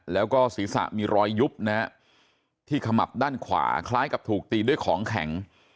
แล้วก็ศีรษะมีรอยยุบนะฮะที่ขมับด้านขวาคล้ายกับถูกตีด้วยของแข็ง